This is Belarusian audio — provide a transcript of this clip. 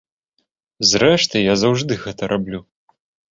Зрэшты я заўжды гэта раблю.